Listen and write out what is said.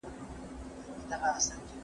هغه د خپل ژوند ډېره برخه په جګړو کې تېره کړه.